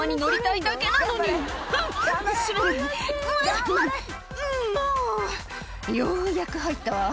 「もうようやく入ったわ」